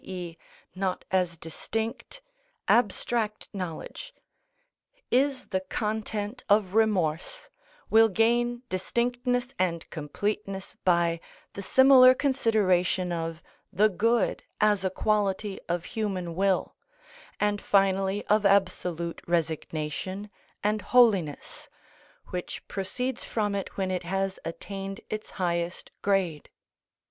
e._, not as distinct, abstract knowledge, is the content of remorse, will gain distinctness and completeness by the similar consideration of the good as a quality of human will, and finally of absolute resignation and holiness, which proceeds from it when it has attained its highest grade.